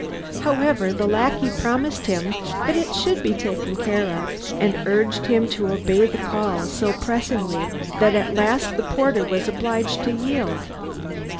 However the lackey promised him that it should be taken care of, and urged him to obey the call so pressingly that at last the porter was obliged to yield.